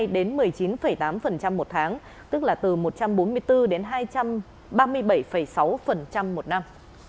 đến một mươi chín tám một tháng tức là từ một trăm bốn mươi bốn đến hai trăm ba mươi bảy sáu một năm